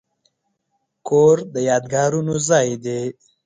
کور د یادګارونو ځای دی.